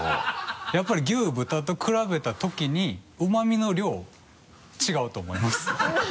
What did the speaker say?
やっぱり牛・豚と比べたときにうま味の量違うと思います。